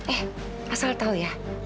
eh asal tau ya